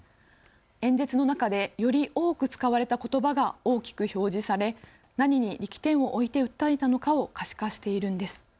演説の中でより多く使われたことばが大きく表示され何に力点を置いて訴えたのかを可視化しているんです。